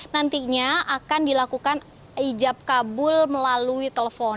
nantinya akan dilakukan ijab kabul melalui telepon